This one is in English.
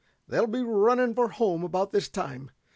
They'll be running for home about this time.